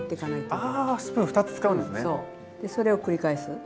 それを繰り返す。